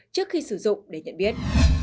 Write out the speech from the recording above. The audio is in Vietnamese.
trước khi sử dụng để nhận biết